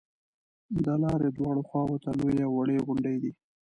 د لارې دواړو خواو ته لویې او وړې غونډې دي.